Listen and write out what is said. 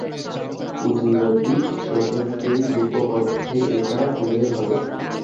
পুঁজিবাদী শোষণকেই রুপক অর্থে এটা তুলে ধরে!